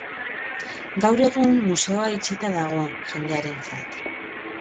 Gaur egun, museoa itxita dago jendearentzat.